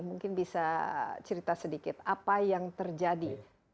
mungkin bisa cerita sedikit apa yang terjadi